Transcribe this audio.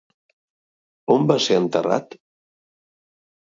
On va ser enterrat?